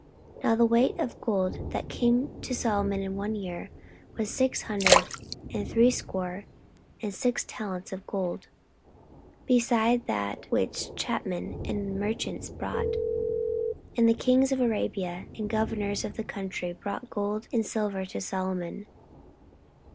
14:009:013 Now the weight of gold that came to Solomon in one year was six hundred and threescore and six talents of gold; 14:009:014 Beside that which chapmen and merchants brought. And all the kings of Arabia and governors of the country brought gold and silver to Solomon.